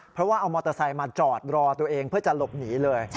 เพราะว่าเอามอเตอร์ไซค์มาจอดรอตัวเองเพื่อจะหลบหนีเลย